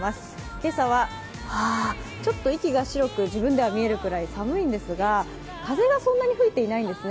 今朝は、ちょっと息が白く自分では見えるくらい寒いんですが、風がそんなに吹いていないんですね。